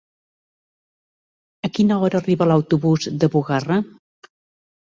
A quina hora arriba l'autobús de Bugarra?